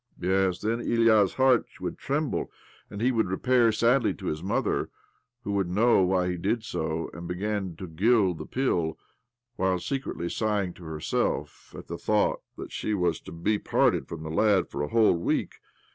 " Yes, then Ilya's heart would tremble, and he would repair sadly to his mother, who would know why he did so, and begin to gild the pill, while secretly sighing to her self at the thought that she was to be parted from the lad for a whole week.